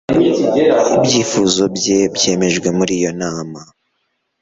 ibyifuzo bye byemejwe muri iyo nama